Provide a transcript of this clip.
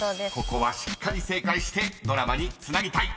［ここはしっかり正解してドラマにつなぎたい！］